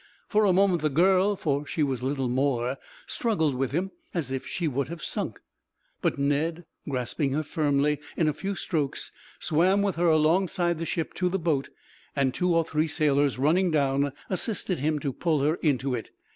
For a moment the girl, for she was little more, struggled with him as if she would have sunk; but Ned, grasping her firmly, in a few strokes swam with her alongside the ship to the boat; and two or three sailors, running down, assisted him to pull her into it.